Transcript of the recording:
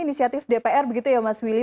inisiatif dpr begitu ya mas willy